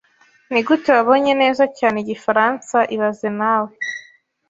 Nigute wabonye neza cyane igifaransa ibaze nawe